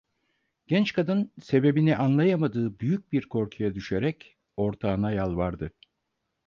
Genç kadın sebebini anlayamadığı büyük bir korkuya düşerek ortağına yalvardı…